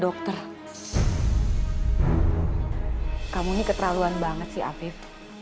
dokter kamu ini keterlaluan banget sih afif